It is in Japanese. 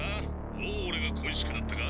もう俺が恋しくなったか？